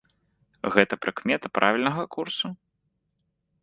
Гэта прыкмета правільнага курсу?